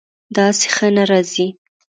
داسې ښه نه راځي